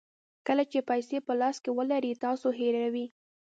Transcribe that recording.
کله چې پیسې په لاس کې ولرئ تاسو هیروئ.